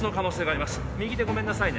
右手ごめんなさいね